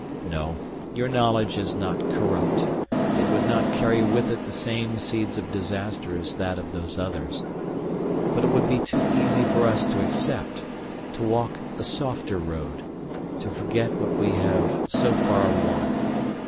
No, your knowledge is not corrupt, it would not carry with it the same seeds of disaster as that of Those Others. But it would be too easy for us to accept, to walk a softer road, to forget what we have so far won.